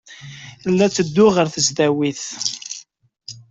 La ttedduɣ ɣer tesdawit.